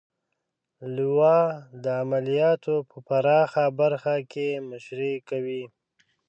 لوا د عملیاتو په پراخه برخه کې مشري کوي.